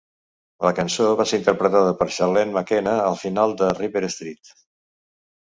La cançó va ser interpretada per Charlene McKenna a la final de "Ripper Street".